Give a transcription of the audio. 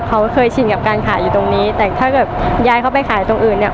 เขาเคยชินกับการขายอยู่ตรงนี้แต่ถ้าเกิดย้ายเขาไปขายตรงอื่นเนี่ย